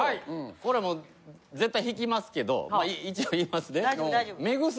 これも絶対引きますけど一応言いますね。